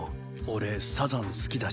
俺サザン好きだし。